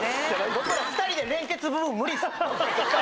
僕ら２人で連結部分無理ですよ。